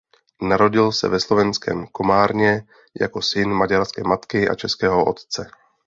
Narodil se ve slovenském Komárně jako syn maďarské matky a českého otce.